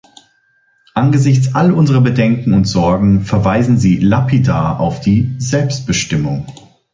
Angesichts all unserer Bedenken und Sorgen verweisen sie lapidar auf die Selbstbestimmung.